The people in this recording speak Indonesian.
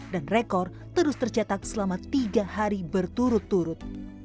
dan rekor terus tercatat selama tiga hari berturut turut